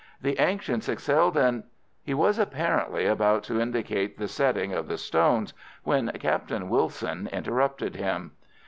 The ancients excelled in ——"—he was apparently about to indicate the setting of the stones, when Captain Wilson interrupted him.